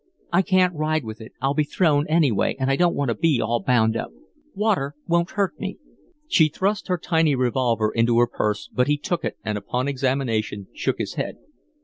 "I can't ride with it. I'll be thrown, anyway, and I don't want to be all bound up. Water won't hurt me." She thrust her tiny revolver into her dress, but he took it and upon examination shook his head.